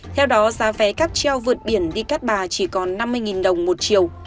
theo đó giá vé cắt treo vượt biển đi cát bà chỉ còn năm mươi đồng một chiều